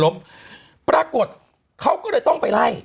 ปรากฏเขาก็เลยต้องไปไล่